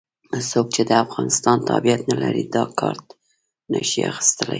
څوک چې د افغانستان تابعیت نه لري دا کارت نه شي اخستلای.